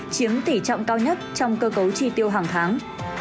chiếm tỷ trọng cao nhất trong cơ cấu chi tiêu hàng tháng